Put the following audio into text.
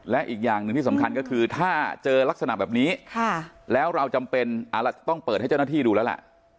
และอีกอย่างหนึ่งที่สำคัญก็คือถ้าเจอลักษณะแบบนี้แล้วเราจำเป็นอาจจะต้องเปิดให้เจ้าหน้าที่ดูแล้วล่ะ